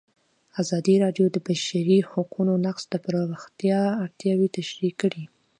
ازادي راډیو د د بشري حقونو نقض د پراختیا اړتیاوې تشریح کړي.